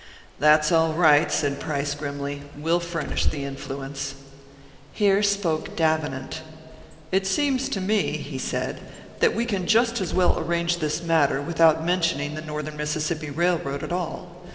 "That's all right," said Price, grimly. "We'll furnish the influence." Here spoke Davenant. "It seems to me," he said, "that we can just as well arrange this matter without mentioning the Northern Mississippi Railroad at all.